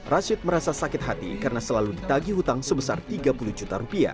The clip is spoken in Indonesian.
rashid merasa sakit hati karena selalu ditagi hutang sebesar rp tiga puluh juta rupiah